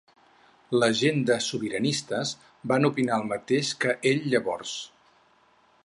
La gent de Sobiranistes van opinar el mateix que ell llavors?